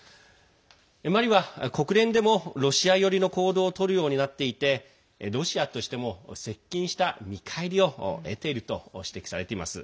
マリは、国連でもロシア寄りの行動をとるようになっていてロシアとしても接近した見返りを得ていると指摘されています。